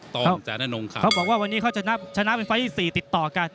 ต้องแสนนงขาดเลยเค้าบอกว่าวันนี้เขาชนะเป็นไฟต์ที่สี่ติดต่อกัน